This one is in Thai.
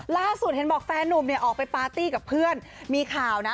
ล่าสุดเห็นบอกแฟนนุ่มเนี่ยออกไปปาร์ตี้กับเพื่อนมีข่าวนะ